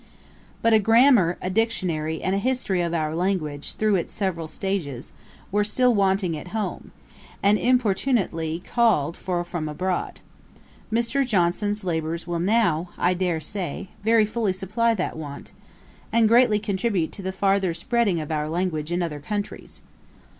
'But a Grammar, a Dictionary, and a History of our Language through its several stages, were still wanting at home, and importunately called for from abroad. Mr. Johnson's labours will now, I dare say, very fully supply that want, and greatly contribute to the farther spreading of our language in other countries.